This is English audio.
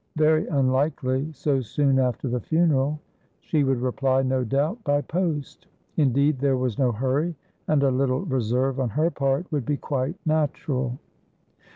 Very unlikely, so soon after the funeral. She would reply, no doubt, by post; indeed, there was no hurry, and a little reserve on her part would be quite natural.